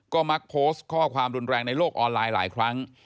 ก็มักโพสต์ข้อความรุนแรงในโลกออนไลน์หลายครั้ง